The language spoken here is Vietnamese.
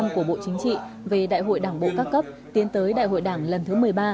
của bộ chính trị về đại hội đảng bộ các cấp tiến tới đại hội đảng lần thứ một mươi ba